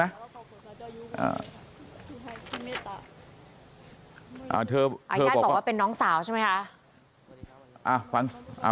เธอบอกว่าอ่าญาติบอกว่าเป็นน้องสาวใช่ไหมฮะ